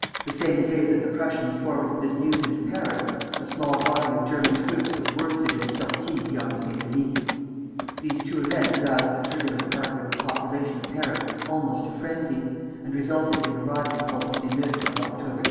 The same day that the Prussians forwarded this news into Paris, a small body of German troops was worsted in a sortie beyond St. Denis. These two events roused the turbulent part of the population of Paris almost to frenzy, and resulted in a rising called the émeute of October 31.